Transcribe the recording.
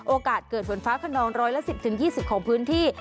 โอกาสเกิดฝนฟ้าขนองร้อยละ๑๐๒๐ของพื้นที่